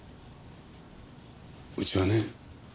うちはね